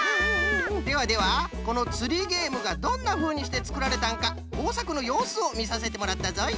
ではではこのつりげえむがどんなふうにしてつくられたのかこうさくのようすをみさせてもらったぞい。